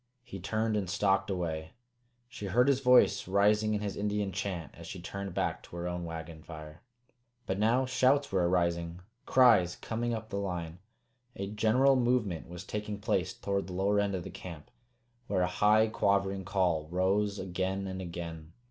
He turned and stalked away. She heard his voice rising in his Indian chant as she turned back to her own wagon fire. But now shouts were arising, cries coming up the line. A general movement was taking place toward the lower end of the camp, where a high quavering call rose again and again.